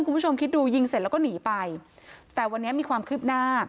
คุณผู้ชมคิดดูยิงเสร็จแล้วก็หนีไปแต่วันนี้มีความคืบหน้า